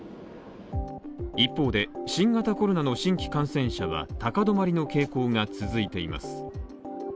一方で、新型コロナの新規感染者は高止まりの傾向が続いています。